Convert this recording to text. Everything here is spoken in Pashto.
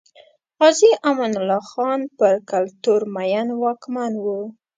غازي امان الله خان پر کلتور مین واکمن و.